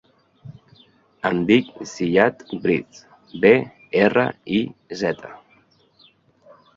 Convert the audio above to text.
Em dic Ziyad Briz: be, erra, i, zeta.